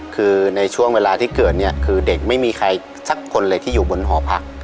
คือในช่วงเวลาที่เกิดเนี่ยคือเด็กไม่มีใครสักคนเลยที่อยู่บนหอพัก